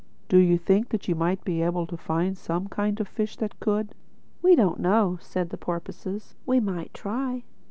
"Do you think that you might be able to find me some kind of a fish that could?" "We don't know," said the porpoises. "We might try."